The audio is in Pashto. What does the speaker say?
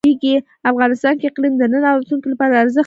افغانستان کې اقلیم د نن او راتلونکي لپاره ارزښت لري.